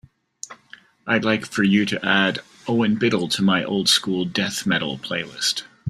I'd like for you to add Owen Biddle to my Old School Death Metal playlist.